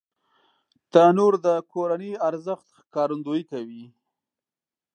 تنور د کورنی ارزښت ښکارندويي کوي